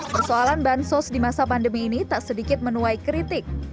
persoalan bansos di masa pandemi ini tak sedikit menuai kritik